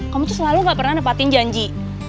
kamu tuh selalu gak pernah nepatin janji